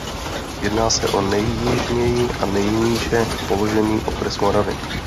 Jedná se o nejjižněji a nejníže položený okres Moravy.